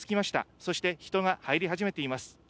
そして人が入り始めています。